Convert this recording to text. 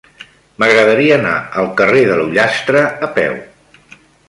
M'agradaria anar al carrer de l'Ullastre a peu.